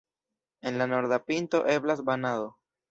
En la norda pinto eblas banado.